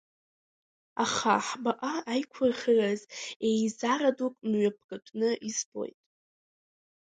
Аха ҳбаҟа аиқәырхараз еизара дук мҩаԥгатәны избоит.